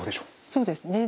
そうですね。